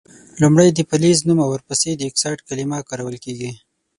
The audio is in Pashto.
لومړۍ د فلز نوم او ور پسي د اکسایډ کلمه کارول کیږي.